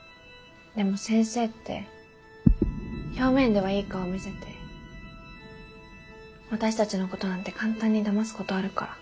でも「先生」って表面ではいい顔見せて私たちのことなんて簡単にだますことあるから。